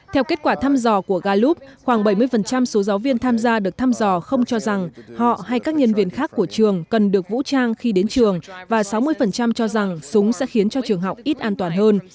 theo kết quả thăm dò của galov khoảng bảy mươi số giáo viên tham gia được thăm dò không cho rằng họ hay các nhân viên khác của trường cần được vũ trang khi đến trường và sáu mươi cho rằng súng sẽ khiến cho trường học ít an toàn hơn